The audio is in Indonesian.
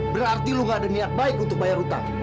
berarti lo gak ada niat baik untuk bayar hutang